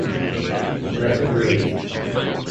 Let him breathe.